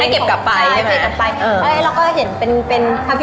ให้เก็บกลับไปใช่ไหมคะใช่ให้เก็บกลับไป